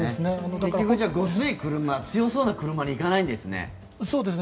ごつい車強そうな車に行かないんですね。